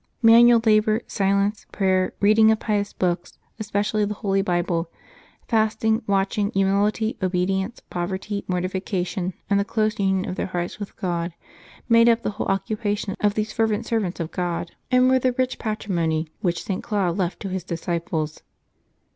Manual labor, silence, prayer, reading of pious books, especially the Holy Bible, fasting, watching, humility, obedience, poverty, mortification, and the close union ©f their hearts with God, made up the whole occupa tion of these fervent servants of God, and were the rich 210 LIVES OF THE SAINTS [June 8 patrimony which St. Claude left to his disciples.